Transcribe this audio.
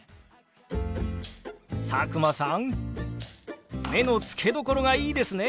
佐久間さん目の付けどころがいいですね！